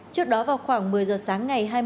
trước đó vào khoảng một mươi giờ sáng ngày